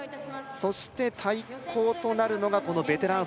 そして対抗となるのがこのベテラン